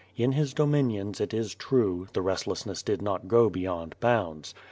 In his dominions, it is true, the restlessness did not go beyond bounds.